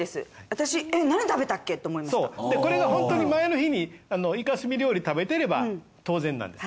私そうこれがホントに前の日にイカ墨料理食べてれば当然なんです。